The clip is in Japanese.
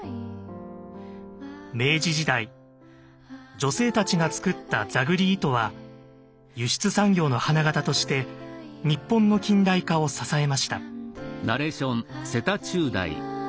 明治時代女性たちが作った座繰り糸は輸出産業の花形として日本の近代化を支えました。